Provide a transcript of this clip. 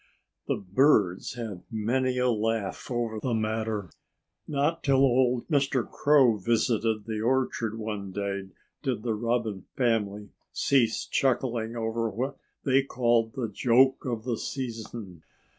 The birds had many a laugh over the matter. Not till old Mr. Crow visited the orchard one day did the Robin family cease chuckling over what they called "the joke of the season."